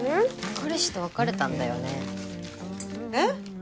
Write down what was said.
彼氏と別れたんだよねえっ？